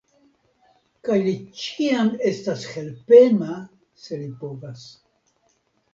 Kaj li ĉiam estas helpema, se li povas.